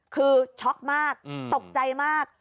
คือช็อกมากตกใจมาก